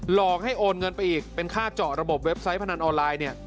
หลอกให้โอนเงินไปอีกเป็นค่าเจาะระบบเว็บไซต์พนันออนไลน์เนี่ย